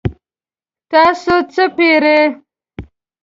تاسو څه پیرئ؟